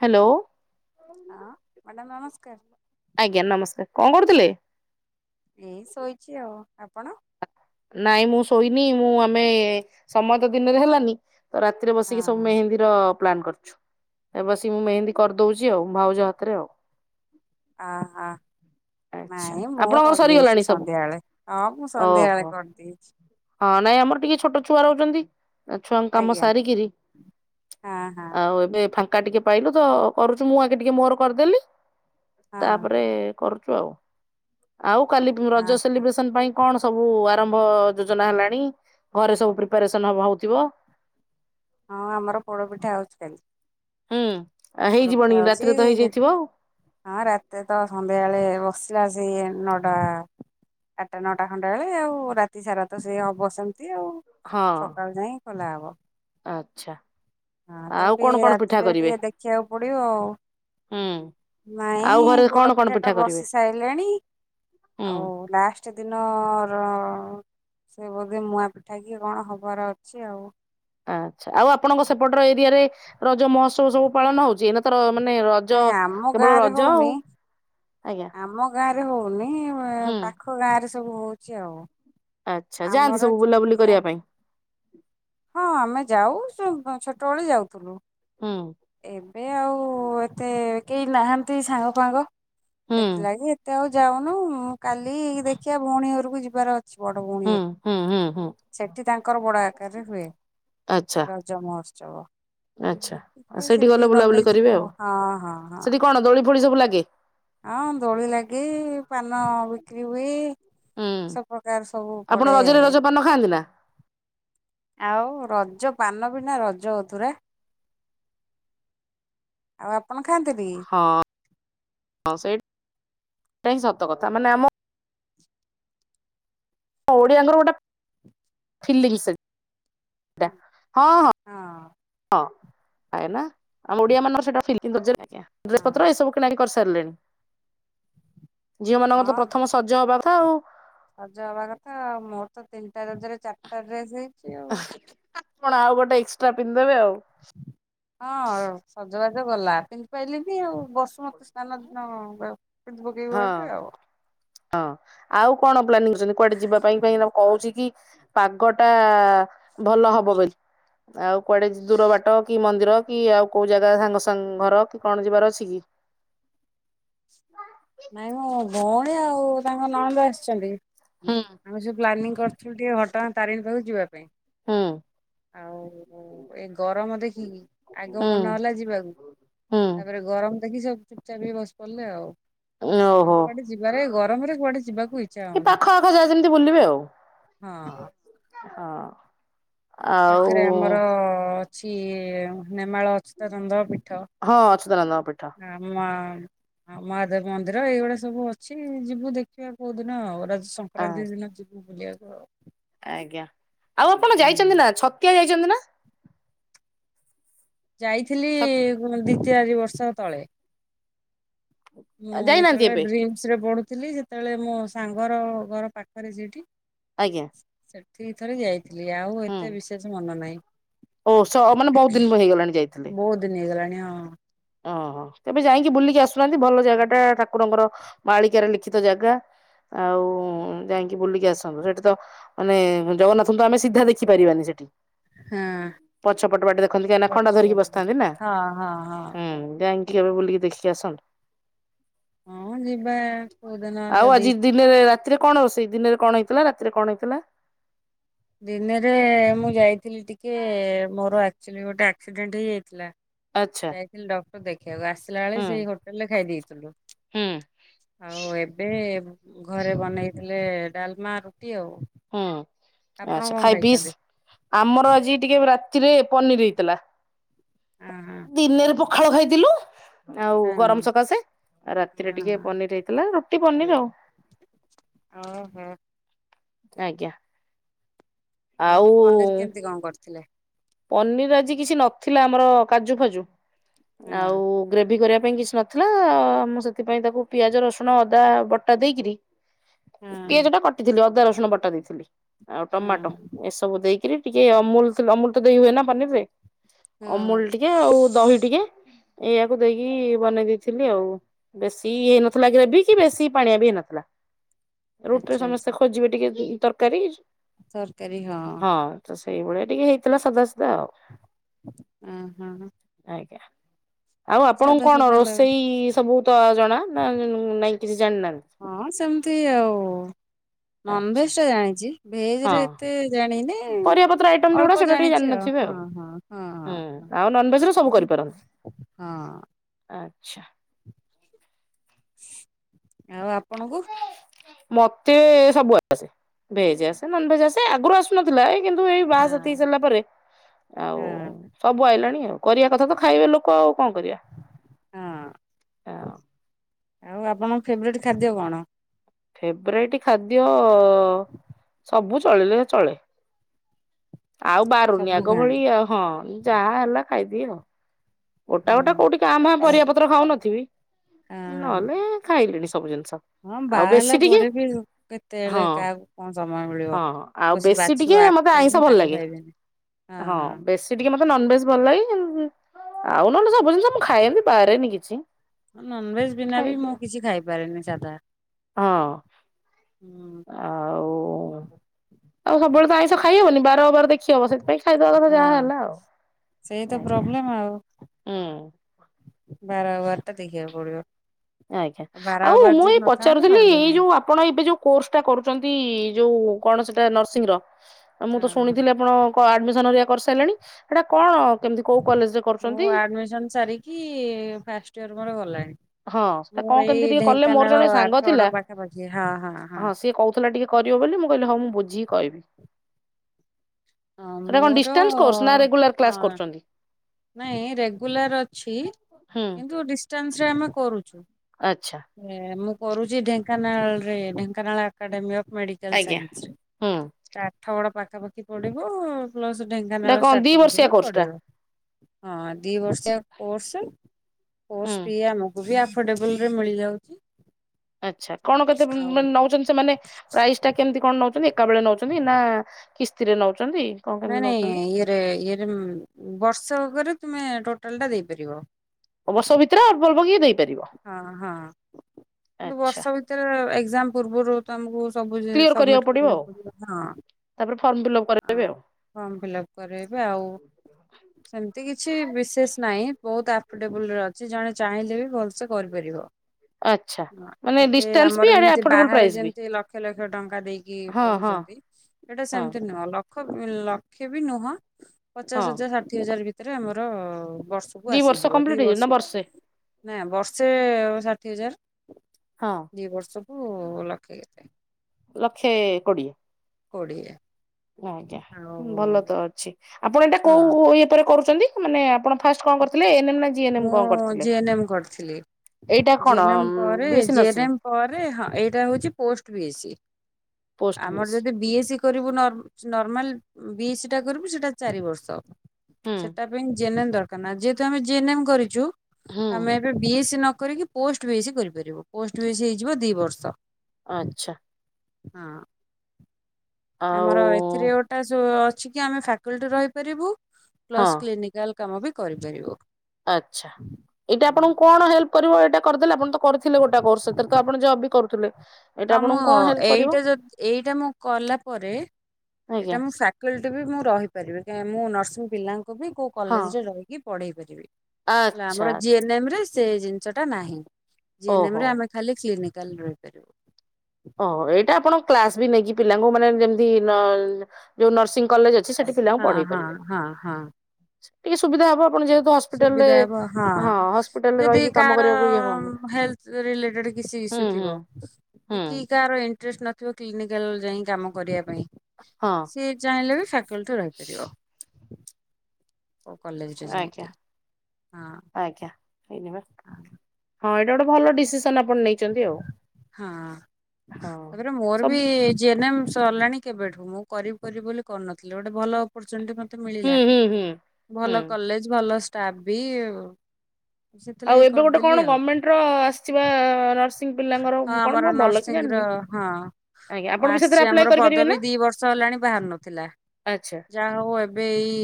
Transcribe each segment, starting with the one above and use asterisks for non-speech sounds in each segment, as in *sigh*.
Hello. ହଁ madam ନମସ୍କାର। ଆଜ୍ଞା ନମସ୍କାର କଁ କରୁଥିଲେ? ଏଇ ଶୋଇଛି ଆଉ ଆପଣ? ନାଇଁ ମୁଁ ଶୋଇନି ମୁଁ ଆମେ ସମୟ ତ ଦିନରେ ହେଲାନି ତ ରାତିରେ ହଁ ବସିକି ସବୁ ମେହେନ୍ଦୀର ପ୍ଲାନ୍ କରିଛୁ ଏ ବସିକି ମୁଁ ମେହେନ୍ଦୀ କରିଦଉଛି ଆଉ ଭାଉଜ ହାତରେ ଆଉ। ହଁ ହଁ। ଆଚ୍ଛା ନାଇଁ ମୁଁ ଆପଣଙ୍କର ସରିଗଲାଣି କରିଦେଇଛି ସବୁ ସନ୍ଧ୍ୟାବେଳେ ହଁ ମୁଁ ଓହୋ। ସନ୍ଧ୍ୟାବେଳେ କରିଦେଇଛି। ହଁ ନାଇଁ ଆମର ଟିକେ ଛୋଟ ଛୁଆ ରହୁଛନ୍ତି। ଛୁଆଙ୍କ କାମ ଆଜ୍ଞା ସାରିକିରି ହଁ ହଁ ଆଉ ଏବେ ଫା ଙ୍କା ଟିକେ ପାଇଲୁ ତ କରୁଛୁ ମୁଁ ଆଗେ ଟିକେ ମୋର କରିଦେଲି। ହଁ ତାପରେ କରୁଛୁ ଆଉ ଆଉ କାଲି ହଁ ରଜ ସେଲିବ୍ରେସନ ପାଇଁ କଣ ସବୁ ଆରମ୍ଭ ଯୋଜନା ହେଲାଣି ଘରେ ସବୁ ପ୍ରିପାରେସନ ହଉଥିବ? ହଁ ଆମର ପୋଡପିଠା ହଉଛି କାଲି। ହୁଁ ହେଇ ପୋଡପିଠା ଯିବଣି ହଉଛି ରାତିରେ ତ ହେଇଯାଇଥିବ ଆଉ। ହଁ ରାତିରେ ତ ସନ୍ଧ୍ୟାବେଳେ ବସିଲା ସେ ନଟା ଆଠଟା ନଅଟା ଖଣ୍ଡେ ବେଳେ ଆଉ ରାତି ସାରା ତ ସିଏ ହବ ସେମିତି ଆଉ ହଁ ସକାଳୁ ଯାଏ ଖୋଲା ହବ। ଆଚ୍ଛା ହଁ ତାକୁ ଆଉ କଣ ଟିକେ କଣ ପିଠା ରାତିରେ କରିବେ ଟିକେ ଦେଖିବାକୁ ପଡ଼ିବ ଆଉ ହୁଁ ଆଉ ନାଇଁ ଘରେ ପୋଡ଼ କଣ କଣ ପିଠା ଟା କରିବେ ବସି ସାରିଲାଣି ହୁଁ ଆଉ ଲାଷ୍ଟ ସେ ଦିନର ସେ ବୋଧେ ମୁଆଁ ପିଠାକି କଣ ହବାର ଅଛି ଆଉ। ଆଚ୍ଛା ଆଉ ଆପଣଙ୍କ ସେପଟର ଏରିଆରେ ରଜ ମହୋତ୍ସବ ସବୁ ପାଳନ ହଉଛି ନା? ର ମାନେ ରଜ ନାଇଁ ଆମ କେବଳ ଗାଁ ରେ ରଜ ଆଉ ହଉନି ଆଜ୍ଞା। ଆମ ଗାଁରେ ହଉନି ହୁଁ ପାଖ ଗାଁରେ ସବୁ ହଉଛି ଆଉ। ଆଚ୍ଛା ଯାଆନ୍ତି ଆମର ସବୁ ଛୋଟ ବୁଲାବୁଲି ଗାଁ କରିବା ପାଇଁ। ହଁ ଆମେ ଯାଉ ଛୋଟବେଳେ ଯାଉଥିଲୁ। ହଁ ଏବେ ଆଉ ଏତେ କେହି ନାହାନ୍ତି ସାଙ୍ଗ ଫାଙ୍ଗ। ହୁଁ ସେଥିଲାଗି ଏତେ ଆଉ ଯାଉନୁ କାଲି ଦେଖିବା ଭଉଣୀ ଘରକୁ ଯିବାର ଅଛି ବଡ଼ ହୁଁ ହୁଁ ହୁଁ ହୁଁ ସେଠି ତାଙ୍କର ବଡ଼ ଆକାରରେ ହୁଏ ଆଚ୍ଛା ରଜ ମହୋତ୍ସବ। ଆଚ୍ଛା ସେଇଠି ସେଠିକି ବୁଲାବୁଲି ଗଲେ କରିବେ ଯିବୁ ଆଉ ହଁ ହଁ। ସେଠି କଣ ଦୋଳି ଫୋଳି ସବୁ ଲାଗେ? ହଁ ଦୋଳି ଲାଗେ ପାନ ବିକ୍ରି ହୁଏ। ହୁଁ ସବୁ ପ୍ରକାର ସବୁ ପଡେ ଆପଣ ରଜରେ ରଜପାନ ଖାଆନ୍ତି ନା? ଆଉ ରଜ ପାନ ବିନା ରଜ ଅଧୁରା। ଆଉ ଆପଣ ଖାଆନ୍ତି ବି? ହଁ *unintelligible* ସତ କଥା ମାନେ ଆମ ଓଡିଆଙ୍କର ଗୋଟେ ଫିଲିଙ୍ଗ ସେଇଟା ହଁ ହଁ। ହଁ ହଁ କାଇଁନା ଆମ ଓଡ଼ିଆ ମାନଙ୍କ ସେଇଟା ଫିଲିଙ୍ଗ ରଜରେ। ହଁ ଡ୍ରେସ ପତ୍ର ଏସବୁ କିଣାକିଣି କରିସାରିଲେଣି? ଝିଅ ହଁ ମାନଙ୍କର ତ ହଁ ପ୍ରଥମ ସଜ ହବା କଥା ଆଉ ସଜ ହବା କଥା ମୋର ତ ତିନିଟା ରଜରେ ଚାରିଟା ଡ୍ରେସ। ଆଉ। କଣ ଆଉ ଗୋଟେ ଏକ୍ସଟ୍ରା ପିନ୍ଧିଦେବେ ଆଉ। ହଁ ସଜବାଜ ଗଲା ପିନ୍ଧି ପାଇଲିନି ଆଉ ସ୍ନାନ ଦିନ ପିନ୍ଧି ପକେଇବୁ ହଁ ଗୋଟେ। ହଁ ଆଉ କଣ ପ୍ଲାନିଂ କରିଛନ୍ତି କୁଆଡ଼େ ଯିବା ପାଇଁ କି କହୁଛି କି? ପାଗ ଟା ଭଲ ହବ ବୋଲି ଆଉ କୁଆଡ଼େ ଦୂର ବାଟ କି ମନ୍ଦିର କି ଆଉ କୋଉ ଜାଗା ସାଙ୍ଗ ସାଙ୍ଗ ଘର କି କଣ ଯିବାର ଅଛି କି? ନାଇଁ ମୋ ଭଉଣୀ ଆଉ ତାଙ୍କ ନଣନ୍ଦ ଆସିଛନ୍ତି। ହୁଁ- ଆମେ ସବୁ ପ୍ଲାନିଙ୍ଗ କରିଥିଲୁ ଟିକେ ଘଟ ଗାଁ ତାରିଣୀ ପାଖକୁ ଯିବା ପାଇଁ। ହଁ ଆଉ ଏ ଗରମ ଦେଖିକି ଆଗ ହୁଁ ମନ ହେଲା ଯିବାକୁ ହୁଁ ତାପରେ ଗରମ ଦେଖି ସବୁ ଚୁପ୍ ଚାପ୍ ବସି ପଡ଼ିଲେ ଆଉ। ଆଉ ଓହୋ କୁଆଡ଼େ ଯିବାରେ ଗରମ ରେ କୁଆଡ଼େ ଯିବାକୁ ଇଛା ହଉନି। ଯାଏ ଯେମିତି ବୁଲିବେ ଆଉ ହଁ ହଁ। ଆଉ ପାଖରେ ଆମର ଅଛି ନେମାଳ ଅଚୁତ ଚନ୍ଦ୍ର ପୀଠ। ହଁ ଅଚତ ନନ୍ଦଙ୍କ ପୀଠ। ଆମ ହଁ ମହାଦେବ ମନ୍ଦିର ଏଇଗୁଡା ସବୁ ଅଛି ଯିବୁ ଦେଖିବା କୋଉ ଦିନ ଆଉ ରଜ ଆ ସଂକ୍ରାନ୍ତି ଦିନ ଯିବୁ ବୁଲିବାକୁ। ଆଜ୍ଞା ଆଉ ଆପଣ ହୁଁ ଯାଇଛନ୍ତି ନା ଛତିଆ ଯାଇଛନ୍ତି ନା? ଯାଇଥିଲି ଛ ଦି ଚାରି ବର୍ଷ ତଳେ। ହଁ ଯାଇନାହାନ୍ତି ଯେତଳେ ଏବେ ଡ୍ରି ଶି ରେ ପଢୁଥିଲି ଯେତେବେଳେ ମୋ ସାଙ୍ଗର ଘର ପାଖରେ ସେଠି ଆଜ୍ଞା। ସେଠିକି ଥରେ ଯାଇଥିଲି ଆଉ ହୁଁ। ଏତେ ବିଶେଷ ମନ ନାହିଁ। ଓ ସ ମାନେ ବହୁତ ଦିନ ହେଇଗଲାଣି ଯାଇଥିଲେ। ବହୁ ଦିନ ହେଇଗଲାଣି ହଁ। ଓହୋ ତେବେ ଯାଇକି ବୁଲିକି ଆସୁନାହାନ୍ତି ଭଲ ଜାଗା ଟା ଠାକୁରଙ୍କର ମାଳିକାରେ ଲିଖିତ ଜାଗା। ଆଉ ଯାଇକି ବୁଲିକି ଆସନ୍ତୁ ସେଠି ତ ମାନେ ଜଗନ୍ନାଥଙ୍କୁ ତ ଆମେ ସିଧା ଦେଖିପାରିବାନି ସେଠି। ହଁ ପଛପଟ ବାଟେ ଦେଖନ୍ତି କାହିଁକିନା ହଁ ଖଣ୍ଡା ଧରିକି ବସିଥାନ୍ତି ନା ହଁ ହଁ। ହୁଁ ଯାଇକି ଘେରେ ବୁଲିକି ଦେଖିକି ଆସନ୍ତୁ। ହଁ ଯିବା କୋଉଦିନ ଆଉ ଆଜି ଯଦି ଦିନରେ ରାତିରେ କଣ ରୋସେଇ ଦିନରେ କଣ ହେଇଥିଲା ରାତିରେ କଣ ହେଇଥିଲା? ଦିନରେ ମୁଁ ଯାଇଥିଲି ଟିକେ ମୋର ଆଚୁଆଲି ଗୋଟେ ଆକ୍ସିଡେଣ୍ଟ ହେଇଯାଇ ଥିଲା ଆଚ୍ଛା। ଯାଇଥିଲୁ ଡକ୍ଟର ଦେଖିବାକୁ ଆସିଲା ବେଳେ ହୁଁ ସେଇ ହୋଟେଲ ରେ ଖାଇ ଦେଇଥିଲୁ। ହୁଁ ଆଉ ଏବେ ଘରେ ବନେଇଥିଲେ ଡାଲମା ରୁଟି ଆଉ। ହୁଁ ଆପଣ ଆଛା କଣ ଖାଇ ଖାଇଛନ୍ତି? ବିଷ ଆମର ଆଜି ଟିକେ ରାତିରେ ପନିର ହେଇଥିଲା ହଁ ଦିନରେ ପ ପଖାଳ ଖାଇଥିଲୁ ଆଉ ଗରମ ହଁ ସକାଶେ ରାତିରେ ହଁ ଟିକେ ହଁ ପନିର ହେଇଥିଲା। ରୁ ଟି ପନିର ଆଉ। ଓହୋ। ଆଜ୍ଞା। ଆଉ ପନିର କେମିତି କଣ କରିଥିଲେ? ପନିର ଆଜି କିଛି ନଥିଲା ଆମର କାଜୁ ଫାଜୁ ହଁ ଆଉ ଗ୍ରେଭି କରିବା ପାଇଁ କିଛି ନଥିଲା ମୁଁ ସେଥିପାଇଁ ତାକୁ ପିଆଜ ରସୁଣ ଅଦା ବଟା ଦେଇକିରି ହଁ ପିଆଜ ଟା କାଟିଥିଲି ଅଦା ରସୁଣ ବଟା ଦେଇଥିଲି ଆଉ ଟମାଟୋ ହଁ। ଏସ ସବୁ ଦେଇକିରି ଟିକେ ଅମୁଲ ଅମୁଲ ତ ଦେଇ ହୁଏ ନା ପନିରେ। ହଁ ଅମୁଲ ଟିକେ ଆଉ ଦହି ଟିକେ ଏଇଆକୁ ଦେଇକି ବନେଇ ଦେଇଥିଲି ଆଉ। ବେଶୀ ଇଏ ହେଇନଥିଲା ଗ୍ରେଭି କି ବେଶୀ ପାଣିଆ ବି ହେଇନଥିଲା। ରୁଟିରେ ଆଚ୍ଛା ଆଚ୍ଛା ସମସ୍ତେ ଖୋଜିବେ ଟିକେ ତରକାରୀ। ତରକାରୀ ହଁ। ତ ସେଇଭଳିଆ ଟିକେ ହେଇଥିଲା ସଧା ସିଧା ଆଉ। ଉଁ ହୁଁ ହୁଁ। ଆଜ୍ଞା ଆଉ ଆପଣଙ୍କୁ କଣ ସାଧା ଲାଗୁଛି ରୋଷେଇ ସବୁ ତ ଜଣା ନା ନାଇଁ କିଛି ଜାଣିନାହାନ୍ତି? ହଁ ସେମିତି ଆଉ ଆଚ୍ଛା ନନଭେଜ ଟା ଜାଣିଛି ଭେଜ ରେ ହଁ ଏତେ ଜାଣିନି। ପରିବା ପତ୍ର ଆଇଟମ ଯୋଉଡା ଅଳ୍ପ ସେଇଟା ଟିକେ ଜାଣିଛି ଜାଣିନଥିବେ ହଁ ଆଉ। ହଁ ହଁ ହୁଁ ଆଉ ନନଭେଜରେ ସବୁ କରିପାର। ହଁ। ଆଚ୍ଛା। ଆଉ ଆପଣଙ୍କୁ। ମତେ ସବୁ ଆସେ ଭେଜ ଆସେ ନନଭେଜ ଆସେ ଆଗରୁ ଆସୁନଥିଲା ଏଇ କିନ୍ତୁ ଏଇ ହଁ ବାହାସାଥୀ ସାରିଲା ପରେ ଆଉ ହଁ ସବୁ ଆଇଲାଣି ଆଉ କରିବା କଥା ତ ଖାଇବେ ଲୋକ ଆଉ କଣ କରିବା। ହଁ ଆଉ ଆପଣଙ୍କ ଫେବରେଟ ଖାଦ୍ୟ କଣ? ଫେବରାଇଟ ଖାଦ୍ୟ ସବୁ ଚଳିଲେ ଚଳେ। ଆଉ ବାରୁନି ସବୁ ଆଗ ଭଳି ଖାଆନ୍ତି ଅ ହଁ ଯାହା ହେଲା ଖାଇଦିଏ ଆଉ। ଗୋଟା ହୁଁ ଗୋଟା ହଁ କଉଠି କାଆଁ ଭାଆଁ ପରିବା ପତ୍ର ଖାଉନଥିବି। ହଁ ନହେଲେ ଖାଇଲିଣି ସବୁ ଜିନିଷ। ହଁ ଆଉ ବାହା ହେଲା ବେଶୀ ଟିକେ ପରେ ବି କେତେବେଳେ ହଁ କାହାକୁ କଣ ସମୟ ମିଳିବ ହଁ ଆଉ ବ ଯିଏ ବେଶୀ ଟିକେ ବାଛିବ ଆକୁ ମତେ ଆଇଁଷ ଖାଇବିନି ଭଲ ତାକୁ ଲାଗେ ଖାଇବିନି ହଁ ହଁ। ବେଶୀ ଟିକେ ମତେ ନନଭେଜ୍ ଭଲ ଲାଗେ କି ଆଉ ନହେଲେ ସବୁ ଜିନିଷ ମୁଁ ଖାଏ ଏମିତି ବାରେନି କିଛି ଖାଇଦିଏ। ବାରେନି ସାଧା। ହଁ। ହୁଁ ଆଉ ଆଉ ସବୁବେଳେ ତ ଆଇଁଷ ଖାଇହବନି ବାର ଅବାର ଦେଖି ହବ ସେ ଏଇ ଖାଇଦବା କଥା ଯାହା ହଁ ହେଲା ଆଉ ସେଇ ତ ଆଜ୍ଞା ହୁଁ। ବାର ଅବାର ତ ଦେଖିବାକୁ ପଡିବ। ଆଜ୍ଞା ବାର ଆଉ ଅବାର ମୁଁ ଯଦି ଏଇ ନଥାନ୍ତା ପଚାରୁଥିଲି ସବୁଦିନ ଏଇ ଯୋଉ ଆପ ଆପଣ ଏବେ ଯୋଉ କୋର୍ସ ଟା କରୁଛନ୍ତି ଯୋଉ କଣ ସେଟା ନର୍ସିଂର। ଆଉ ମୁଁ ହଁ ତ ହଁ। ଶୁଣିଥିଲି ଆପଣ କଣ ଆଡମିସନ ହରିକା କରିସାରିଲେଣି ସେଟା କଣ କେମିତି କୋଉ କଲେଜରେ ମୁଁ କରୁଛନ୍ତି? ଆଡମିସନ ସାରିକି ଫାଷ୍ଟ ଇୟର ମୋର ଗଲାଣି। ହଁ ସେଟା ମୁଁ କଣ କେମିତି ଏଇ ଟିକେ କଲେ ମୋର ଢେଙ୍କାନାଳ ଜଣେ ସାଙ୍ଗ ଆଠଗଡ ଥିଲା, ପାଖାପାଖି ହଁ ହଁ ସିଏ କହୁଥିଲା ଟିକେ କରିବ ବୋଲି ମୁଁ କହିଲି ହଉ ମୁଁ ବୁଝିକି କହିବି। ହଁ ସେଟା କଣ ମୋର ଡିଷ୍ଟାନ୍ସ କୋର୍ସ ନା ରେଗୁଲାର ହଁ କ୍ଲାସ କରୁଛନ୍ତି। ନାଇଁ ରେଗୁଲାର ଅଛି, ହୁଁ କିନ୍ତୁ ଡିଷ୍ଟାନ୍ସରେ ଆମେ କରୁଛୁ। ଆଚ୍ଛା। ଏ ମୁଁ କରୁଛି ଢେଙ୍କାନାଳ ରେ ଢେଙ୍କାନାଳ ଏକାଡେମୀ ଅଫ୍ ମେଡି କାଲ ଆଜ୍ଞା ସାଇନ୍ସରେ ହୁଁ ଆଠଗଡ ପାଖାପାଖି ପଡିବୁ ପ୍ଲସ ଏଟା ଢେଙ୍କାନାଳ କଣ ଦି ଷ୍ଟାର୍ଟିଂ ବର୍ଷିଆ ଥିବ କୋର୍ସ ଟା? ପଡିବ ହଁ ଦି ବର୍ଷିଆ କୋର୍ସ କୋର୍ସ ହୁଁ। ଫି ଆମକୁ ବି ଆଫୋର୍ଡେବଲ ରେ ମିଳିଯାଉଛି। ଆଛା କଣ କେତେ ଆଉ ମାନେ ନଉଛନ୍ତି ସେମାନେ ପ୍ରାଇସ୍ ଟା କେମିତି କଣ ନଉଛନ୍ତି ଏକା ବେଳେ ନଉଛନ୍ତି ନା କିସ୍ତିରେ ନଉଛନ୍ତି। କଣ କେମିତି ନାଇଁ ନଉଛନ୍ତି? ନାଇଁ ଇଏରେ ଇଏରେ ବର୍ଷେକ କରେ ତୁମେ ଟୋଟାଲ ଟା ଦେଇପାରିବ। ଏବର୍ଷ ଭିତରେ ଅଳ୍ପ ଅଳ୍ପ କରି ଦେଇ ହଁ ହଁ। କିନ୍ତୁ ଆଚ୍ଛା ବର୍ଷ ଭିତରେ ଏକ୍ସାମ ପୂର୍ବରୁ ତମକୁ ସବୁ କ୍ଲିୟର ସମିଟ ପଡିବ କରିବାକୁ ଆଉ। ପଡ଼ି ହଁ। ତାପରେ ଫର୍ମ ଫିଲ୍ଅପ କରାଇଦେବେ ଆଉ। ଫର୍ମ ଫିଲ୍ଅପ କରାଇବେ ଆଉ। ସେମିତି କିଛି ବିଶେଷ ନାହିଁ ବହୁତ ଆଫୋର୍ଡେବୁଲ ରେ ଅଛି ଜଣେ ଚାହିଁଲେ ବି ଭଲ ସେ କରିପାରିବ। ଆଚ୍ଛା। ହଁ ମାନେ ଏତେ ଡିଷ୍ଟାନ୍ସ ବି ଆମର ଆଡେ ଯେମିତି ଆଫୋର୍ଡେବଲ ବାହାରେ ପ୍ରାଇସ୍ ବି। ଯେମତି ଲକ୍ଷ ଲକ୍ଷ ଟଙ୍କା ଦେଇକି ହଁ ହଁ ପଢୁଛନ୍ତି ଏଇଟା ହଁ ସେମତି ନୁହଁ? ଲକ୍ଷେ ବି ନୁହଁ ହଁ ପଚାଶ ହଜାର ଷାଠିଏ ହଜାର ଭିତରେ ଆମର ବର୍ଷ କୁ ଦି ଆସିଯିବ ଦି କମ୍ପ୍ଲିଟ ହେଇଯିବ ନା ବର୍ଷ ବର୍ଷେ ନା ବର୍ଷ ଷାଠିଏ ହଜାର ହଁ। ଦି ବର୍ଷକୁ ଲକ୍ଷେ କେତେ ଲକ୍ଷେ କୋଡିଏ କୋଡ଼ିଏ। ହଁ ଆଜ୍ଞା ଭଲ ତ ଅଛି ଆପଣ ଏଇଟା ହଁ କୋଉ ଇଏ ଉପରେ କରୁଛନ୍ତି? ମାନେ ଆପଣ ଫାଷ୍ଟ୍ କଣ କରିଥିଲେ ଏନେମେଡ୍ ମୁଁ ଜେ ନେମ୍ ଏମ୍ କରିଥିଲି ଏଇଟା କଣ ଜେ ଏନ୍ ଏମ୍ ପରେ B S C G N nursing? M ପରେ ହଁ ଏଇଟା ହଉଛି ପୋଷ୍ଟ୍ ବିଜ୍ ପୋଷ୍ଟ ମିସ୍ ଆମର ଯଦି ବି ଏସ୍ କରିବୁ ନର ନର୍ମାଲ ବିଏସି ଟା କରିବୁ ସେଟା ଚାରି ବର୍ଷ ହୁଁ। ସେଟା ଜେ ଏନ୍ ଏମ୍ ଦରକାର ନା ଯେହେତୁ ଆମେ ଜେଏନ୍ ଏମ କରିଛୁ ହୁଁ। ଆମେ ଏବେ ବି ଏସ୍ ନ କରିକି ପୋଷ୍ଟ୍ ଭିଜ୍ କରିପାରିବ ପୋଷ୍ଟଭିଜି ହେଇଯିବ ଦି ବର୍ଷ ଆଛା। ହଁ। ଆଉ ଆମର ଏଥିରେ ଗୋଟେ ଏଟା ଅଛି କି ଆମେ ଫାକୋରେଟି ରହିପାରିବୁ ହଁ ପ୍ଲସ୍ କ୍ଲିନିକାଲ୍ କାମ ବି କରିପାରିବୁ। ଆଚ୍ଛା ଏଇଟା ଆପଣଙ୍କୁ କଣ ହେଲ୍ପ୍ କରିବ ଏଇଟା କରିଦେଲେ ଆପଣ ତ କରିଥିଲେ ଗୋଟେ କୋର୍ସ ସେଥିରେ ତ ଆପଣ ଜବ୍ ବି କରୁଥିଲେ। ଏଇଟା ହଁ ମୁଁ ଆପଣଙ୍କୁ କଣ ହେଲ୍ପ କରିବ ଏଇଟା ଯ ଏଇଟା ମୁଁ କଲା ପରେ ଆଜ୍ଞା ଏଇଟା ମୁଁ ସ୍କୁଲଟି ବି ମୁଁ ରହିପାରିବି ମୁଁ ନର୍ସିଂ ପିଲାଙ୍କୁ ବି କେଉଁ ହଁ କଲେଜରେ ରହିକି ପଢ଼େଇ ପାରିବି। ହେଲା ଆଚ୍ଛା ଆମର ଜି ଆଚ୍ଛା ଏନ୍ ଏମ ରେ ସେ ଜିନିଷ ଟା ନାହିଁ ଜି ଏନ ଓହୋ। ଏମରେ ଆମେ ଖାଲି କ୍ଲିନିକାଲରେ ରହିପାରିବୁ। ଓହ ଏଇଟା ଆପଣ କ୍ଲାସ୍ ବି ନେଇକି ପିଲାଙ୍କୁ ମାନେ ଯେମିତି ଯୋଉ ନର୍ସିଂ କଲେଜ ଅଛି ସେଠି ପିଲାଙ୍କୁ ହଁ ପଢେଇ ହଁ ପାରିବେ ହଁ ହଁ। ଟିକେ ସୁବିଧା ହବ ଆପଣ ଯେହେତୁ ହସ୍ପିଟାଲରେ ସୁବିଧା ହବ ହଁ ହସ୍ପିଟାଲରେ ଯଦି ରହିକି କାମ କାହାର କରିବାକୁ ଇଏ ହଉନି ହେଲ୍ପ୍ ରିଲେଟେଡ୍ କିଛି ଇସ୍ୟୁ ହୁଁ ହୁଁ ଥିବ ହୁଁ କି କାହାର ଇଣ୍ଟରେଷ୍ଟ୍ ନଥିବ କ୍ଲିନିକାଲ୍ ଯାଇ କି କାମ କରିବା ପାଇଁ ହଁ ସିଏ ଚାହିଁଲେ ବି କିନ୍ତୁ କହିପାରିବ। କଲେଜରେ ଆଜ୍ଞା ଯାଇକି ହଁ ଆଜ୍ଞା। ହେଇନି ବା ହଁ। ହଁ ଏଇଟା ଗୋଟେ ଭଲ ଡିସିସନ୍ ଆପଣ ନେଇ ହଁ ହଁ ତାପରେ ମୋର ବି ସବୁ ଜି ଏନ୍ ଏମ୍ ସରିଲାଣି କେବେଠୁ ମୁଁ କରିବି କରିବି ବୋଲି କରିୁନଥିଲି ଗୋଟେ ଭଲ ଓପୁର୍ତୁନିଟି ମତେ ହୁଁ ମିଳିଲା ହୁଁ ହୁଁ। ହୁଁ ଭଲ କଲେଜ୍ ଭଲ ଷ୍ଟାପ ବି ଆଉ ସେଥିଲାଗି ଏବେ ଗୋଟେ କଣ କରିଦେଲି ଆଉ ଗଭର୍ଣ୍ଣମେଣ୍ଟ୍ ର ଆସିଛିବା ନର ହଁ ଆମର ନରସିଂ ର ହଁ। ଆଜ୍ଞା ଆପଣ ବି ସେଥିରେ ଆସିଛି ଆପ୍ଲାଏ ଆମର କରିପାରିବେ ନା ପଦବୀ ଦି ବର୍ଷ ହେଲାଣି ବାହାରୁ ନଥିଲା। ଆଚ୍ଛା ଯାହା ହଉ ଏବେ ଏଇ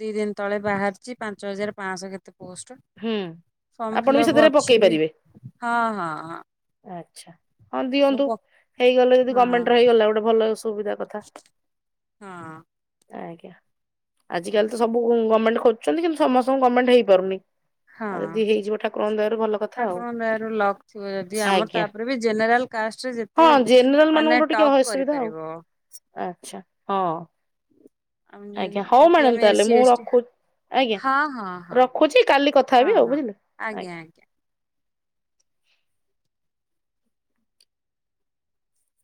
ଦି ଦିନ ତଳେ ବାହାରିଛି ପାଞ୍ଚ ହଜାର ପାଞ୍ଚଶହ କେତେ ପୋଷ୍ଟ। ହୁଁ ଫର୍ମ ଆପଣ ବି ଫିଲପ୍ ସେଥିରେ ପକେଇ ଅଛି ବି ପାରିବେ। ହଁ ହଁ ହଁ। ଆଚ୍ଛା ହଁ ମୁଁ ଦିଅନ୍ତୁ ପ ହେଇଗଲେ ଯଦି ହଁ ଗମେଣ୍ଟ୍ ହେଇଗଲା ଗୋଟେ ଭଲ ସୁବିଧା କଥା। ହଁ। ଆଜ୍ଞା ଆଜିକାଲି ତ ସବୁ ଗମେଣ୍ଟ୍ ଖୋଜୁଛନ୍ତି କିନ୍ତୁ ସମସ୍ତଙ୍କୁ ଗମେଣ୍ଟ୍ ହେଇପାରୁନି। ଆଉ ଯଦି ହଁ ହେଇଯିବ ଠାକୁର ଦୟାରୁ ଭଲ କଥା ଆଉ ଠାକୁରଙ୍କ ଦୟାରୁ ଲକ୍ ଥିବ ଯଦି ଆମର ଆଜ୍ଞା। ତାପରେ ବି ଜେନେରାଲ କାଷ୍ଟରେ ଯେତେ ହଁ ଜେନେରାଲ୍ ମାନେ ମାନଙ୍କ ଟୁ ଟିକେ ଟପ୍ ଅସୁବିଧା ଆଉ କରିପାରିବ। ଆଚ୍ଛା ହଁ। ଆମେ ଆଜ୍ଞା ହଉ ଯଦି ମ୍ୟାଡ଼ାମ୍ ଆମେ ତାହେଲେ ଏସି ମୁଁ ଏସଟି ରଖୁ ଆଜ୍ଞା ହଁ ହଁ ହଁ ରଖୁଛି କାଲି କଥା ହେବି ଆଉ ବୁଝିଲେ ଆଜ୍ଞା।